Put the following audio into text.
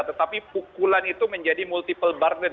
tetapi pukulan itu menjadi multiple burden